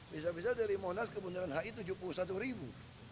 bisa bisa dari monas ke bundaran hi tujuh puluh satu ribu